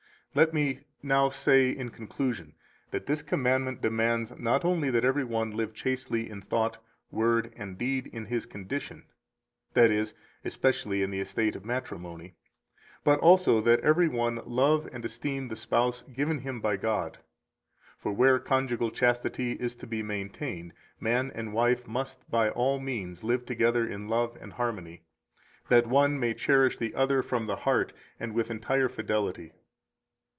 219 Let me now say in conclusion that this commandment demands not only that every one live chastely in thought, word, and deed in his condition, that is, especially in the estate of matrimony, but also that every one love and esteem the spouse given him by God. For where conjugal chastity is to be maintained, man and wife must by all means live together in love and harmony, that one may cherish the other from the heart and with entire fidelity.